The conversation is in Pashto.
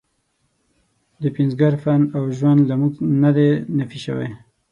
د پنځګر فن او ژوند له موږ نه دی نفي شوی.